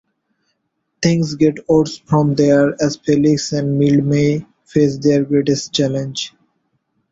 Things get worse from there as Felix and Mildmay face their greatest challenge.